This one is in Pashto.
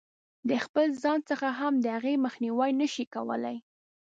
د خپل ځان څخه هم د هغې مخنیوی نه شي کولای.